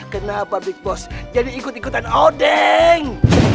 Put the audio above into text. kenapa big boss jadi ikut ikutan odeng